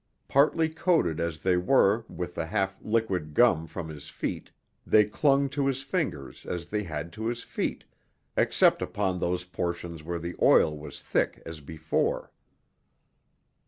Partly coated as they were with the half liquid gum from his feet, they clung to his fingers as they had to his feet, except upon those portions where the oil was thick as before.